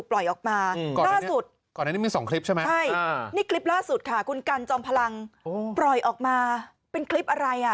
ล่าสุดใช่นี่คลิปล่าสุดค่ะคุณกันจอมพลังปล่อยออกมาเป็นคลิปอะไรอ่ะ